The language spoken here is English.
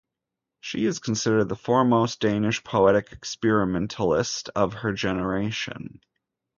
She is considered the foremost Danish poetic experimentalist of her generation.